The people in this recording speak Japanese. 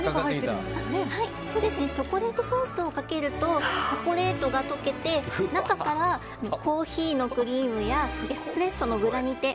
チョコレートソースをかけるとチョコレートが溶けて中からコーヒーのクリームやエスプレッソのグラニテ